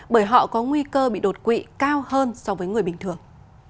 bởi họ có nguy cơ bị đột quỵ cao hơn so với người bình thường